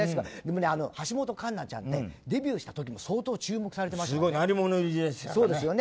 橋本環奈ちゃんねデビューした時から相当注目されていましたよね。